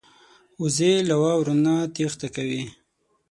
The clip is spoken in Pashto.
وزې له واورو نه تېښته کوي